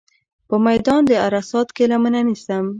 په میدان د عرصات کې لمنه نیسم.